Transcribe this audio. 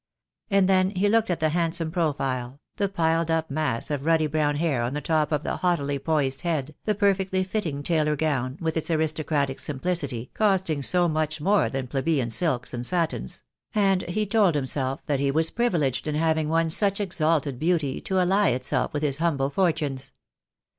And then he looked at the handsome profile, the piled up mass of ruddy brown hair on the top of the haughtily poised head, the perfectly fitting tailor gown, with its aristocratic sim plicity, costing so much more than plebeian silks and satins; and he told himself that he was privileged in having won such exalted beauty to ally itself with his humble fortunes.